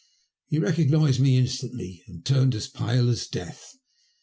He recognised me instantly, and turned as pale as death.